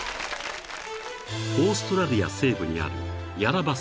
［オーストラリア西部にある］